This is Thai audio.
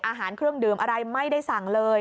อาหารเครื่องดื่มอะไรไม่ได้สั่งเลย